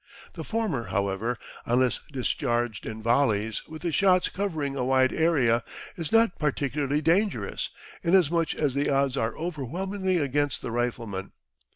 The former, however, unless discharged in volleys with the shots covering a wide area, is not particularly dangerous, inasmuch as the odds are overwhelmingly against the rifleman.